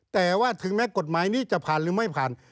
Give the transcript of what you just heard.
แต่ว่าถึงแม้กฎหมายนี้จะผ่านหรือไม่ผ่าน